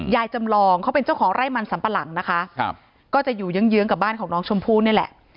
จำลองเขาเป็นเจ้าของไร่มันสัมปะหลังนะคะครับก็จะอยู่เยื้องเยื้องกับบ้านของน้องชมพู่นี่แหละ